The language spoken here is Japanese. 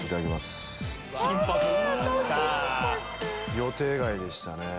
予定外でしたね。